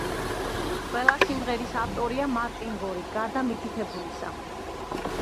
ყველა სიმღერის ავტორია მარტინ გორი, გარდა მითითებულისა.